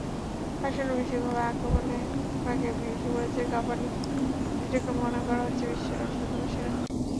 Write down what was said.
আসন্ন বিশ্বকাপে আক্রমণভাগে সুয়ারেজ-কাভানি জুটিকে মনে করা হচ্ছে বিশ্বের অন্যতম সেরা।